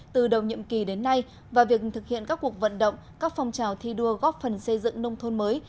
từ đầu nhiệm kỳ đến nay và việc thực hiện các cuộc vận động các phong trào thi đua góp phần xây dựng nông thôn mới